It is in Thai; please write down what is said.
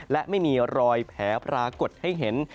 และไม่มีรอยแผลปรากฏให้เห็น